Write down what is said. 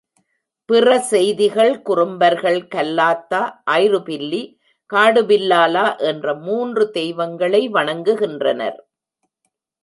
பிற செய்திகள் குறும்பர்கள் கல்லாத்தா, ஐரு பில்லி, காடுபில்லாலா என்ற மூன்று தெய்வங்களை வணங்குகின்றனர்.